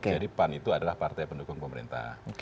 jadi pan itu adalah partai pendukung pemerintah